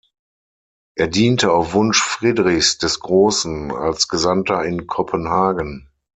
Er diente auf Wunsch Friedrichs des Großen als Gesandter in Kopenhagen.